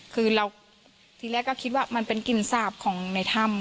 คือเราทีแรกก็คิดว่ามันเป็นกลิ่นสาบของในถ้ำ